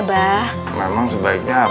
bah kita langsung sebaiknya abah datang